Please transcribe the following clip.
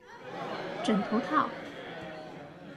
枕頭套